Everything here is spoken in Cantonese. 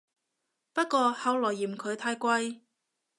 不過後來嫌佢太貴